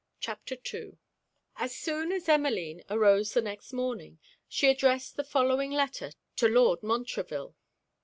CHAPTER II As soon as Emmeline arose the next morning, she addressed the following letter to Lord Montreville.